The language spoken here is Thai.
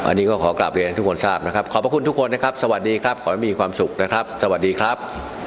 อันนี้ก็ขอกลับเรียนให้ทุกคนทราบนะครับขอบพระคุณทุกคนนะครับสวัสดีครับขอให้มีความสุขนะครับสวัสดีครับ